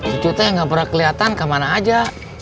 cucu tuh yang gak pernah keliatan kemana aja